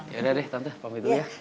ya udah deh tante pamit dulu ya